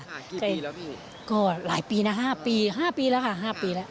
กี่ปีแล้วพี่ก็หลายปีนะห้าปีห้าปีแล้วค่ะห้าปีแล้ว